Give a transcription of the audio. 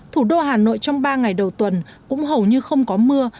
thủ đô hà nội trong ba ngày đầu tuần cũng hầu như không có mưa